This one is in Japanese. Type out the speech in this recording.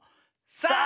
「さあ！」。